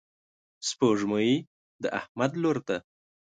سپوږمۍ د احمد لور ده.